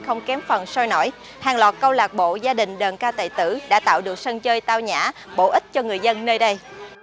không kém phần sôi nổi hàng lọt câu lạc bộ gia đình đơn ca tài tử đã tạo được sân chơi tao nhã bổ ích cho người dân nơi đây